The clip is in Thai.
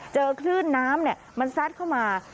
เจอคลื่นน้ำมันซัดเข้ามา